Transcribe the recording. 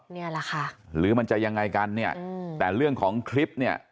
เนี่ยแหละค่ะหรือมันจะยังไงกันเนี่ยแต่เรื่องของคลิปเนี่ย